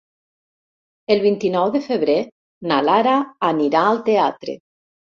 El vint-i-nou de febrer na Lara anirà al teatre.